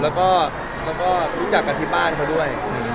แล้วก็รู้จักกันที่บ้านเขาด้วย